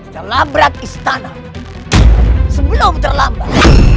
telah berat istana sebelum terlambat